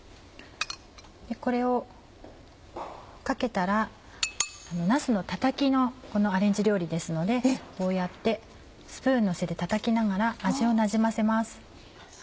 これをかけたらなすのたたきのアレンジ料理ですのでこうやってスプーンの背でたたきながら味をなじませます。